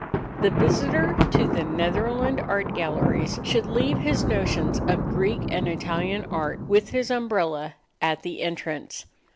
The visitor to the Netherland art galleries should leave his notions of Greek and Italian art with his umbrella, at the entrance.